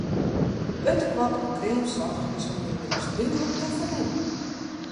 It tekoart oan kreamsoarch is ûnderwilens dúdlik te fernimmen.